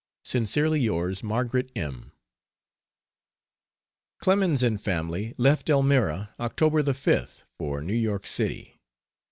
Sincerely yours. MARGARET M. Clemens and family left Elmira October the 5th for New York City.